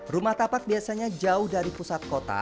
rumah tapak biasanya jauh dari pusat kota